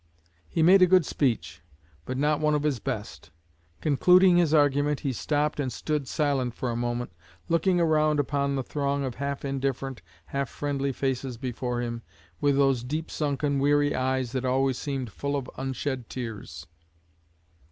He made a good speech, but not one of his best. Concluding his argument, he stopped and stood silent for a moment, looking around upon the throng of half indifferent, half friendly faces before him, with those deep sunken weary eyes that always seemed full of unshed tears.